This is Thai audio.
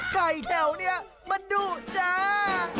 ไก่แถวนี้มาดูด้า